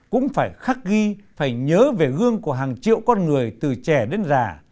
cũng phải khắc ghi phải nhớ về gương của hàng triệu con người từ trẻ đến già